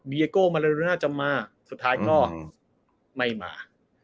เวียโก้มันน่าจะมาสุดท้ายก็ไม่มา